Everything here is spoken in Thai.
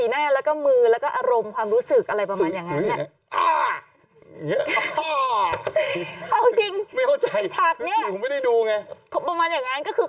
ได้หรือไม่ได้อะไรอย่างนั้นหรือ